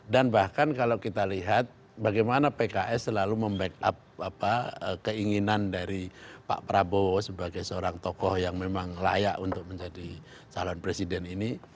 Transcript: dan bahkan kalau kita lihat bagaimana pks selalu membackup keinginan dari pak prabowo sebagai seorang tokoh yang memang layak untuk menjadi calon presiden ini